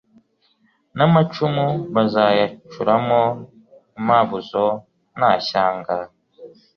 n amacumu bazayacuramo impabuzo nta shyanga